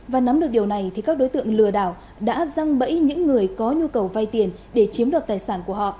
và nắm được điều này thì các đối tượng lừa đảo đã răng bẫy những người có nhu cầu vay tiền để chiếm đoạt tài sản của họ